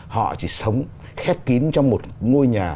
họ chỉ sống khép kín trong một ngôi nhà